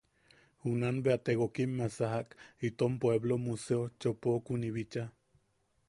Junanbeate gokimmea sajak itom pueblo Museo Chopokuni bicha.